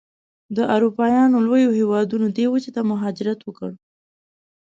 د اروپایانو لویو هېوادونو دې وچې ته مهاجرت وکړ.